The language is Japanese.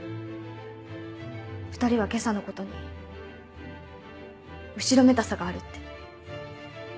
２人は今朝のことに後ろめたさがあるって。